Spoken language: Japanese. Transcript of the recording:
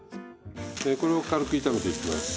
これを軽く炒めていきます。